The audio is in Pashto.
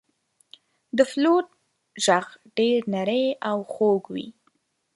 • د فلوت ږغ ډېر نری او خوږ وي.